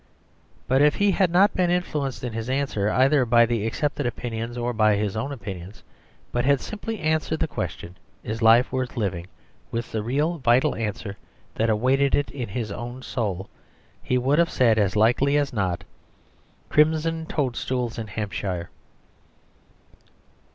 But if he had not been influenced in his answer either by the accepted opinions, or by his own opinions, but had simply answered the question "Is life worth living?" with the real, vital answer that awaited it in his own soul, he would have said as likely as not, "Crimson toadstools in Hampshire."